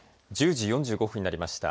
１０時４５分になりました。